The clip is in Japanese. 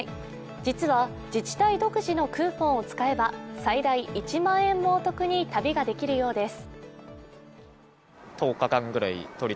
実は自治体独自のクーポンを使えば最大１万円もお得に旅ができるようです。